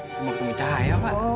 semoga ketemu cahaya pak